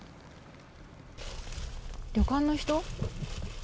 旅館の人？